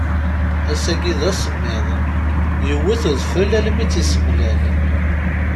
Ass-agi d asemmiḍ, yewwet udfel almi i tt-isemlal.